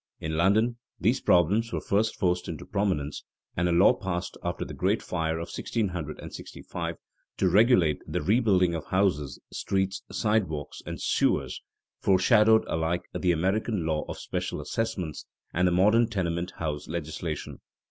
In London, these problems were first forced into prominence, and a law passed after the great fire of 1665 to regulate the rebuilding of houses, streets, sidewalks, and sewers, foreshadowed alike the American law of special assessments and the modern tenement house legislation.